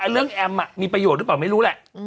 เรื่องแอมมีประโยชน์หรือเปล่าไม่รู้แหละ